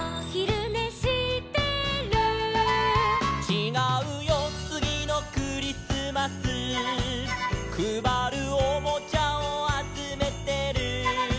「ちがうよつぎのクリスマス」「くばるおもちゃをあつめてる」